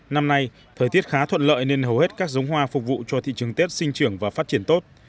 năm nay thời tiết khá thuận lợi nên hầu hết các giống hoa phục vụ cho thị trường tết sinh trưởng và phát triển tốt